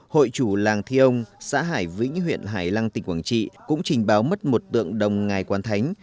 hội chủ làng thi ông xã hải vĩnh huyện hải lăng tỉnh quảng trị cũng trình báo mất một tượng đồng ngài quán thánh